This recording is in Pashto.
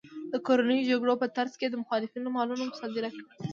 د کورنیو جګړو په ترڅ کې یې د مخالفینو مالونه مصادره کړل